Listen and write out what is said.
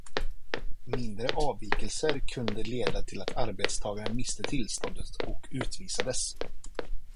Mindre avvikelser kunde leda till att arbetstagaren miste tillståndet och utvisades.